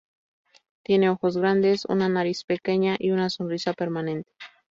Tiene ojos grandes, una nariz pequeña, y una sonrisa permanente.